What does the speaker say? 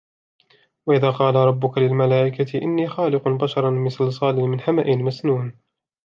وَإِذْ قَالَ رَبُّكَ لِلْمَلَائِكَةِ إِنِّي خَالِقٌ بَشَرًا مِنْ صَلْصَالٍ مِنْ حَمَإٍ مَسْنُونٍ